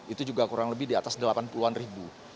itu juga kurang lebih di atas delapan puluh an ribu